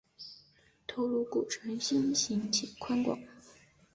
头颅骨呈心型且宽广。